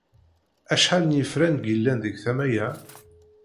Acḥal n yefran ay yellan deg tama-a?